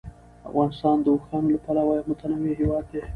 افغانستان د اوښانو له پلوه یو متنوع هېواد دی.